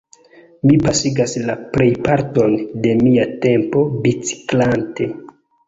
Mi pasigas la plejparton de mia tempo biciklante.